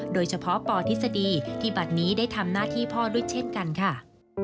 โดยเฉพาะปทฤษฎีที่บัตรนี้ได้ทำหน้าที่พ่อด้วยเช่นกันค่ะ